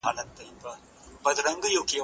ايا ته لیکل کوې